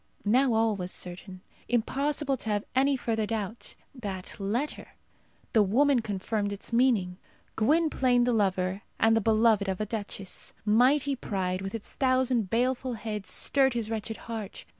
Now all was certain. Impossible to have any further doubt. That letter! the woman confirmed its meaning. Gwynplaine the lover and the beloved of a duchess! Mighty pride, with its thousand baleful heads, stirred his wretched heart.